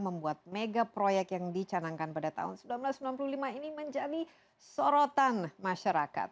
membuat mega proyek yang dicanangkan pada tahun seribu sembilan ratus sembilan puluh lima ini menjadi sorotan masyarakat